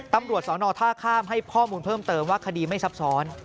ตำรวจสอนอท่าข้ามให้ข้อมูลเพิ่มเติมว่าคดีไม่ซับซ้อน